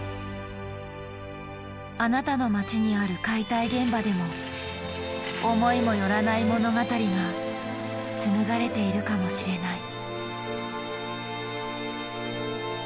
あなたの街にある解体現場でも思いもよらない物語が紡がれているかもしれない。